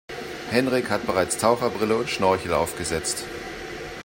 Henrik hat bereits Taucherbrille und Schnorchel aufgesetzt.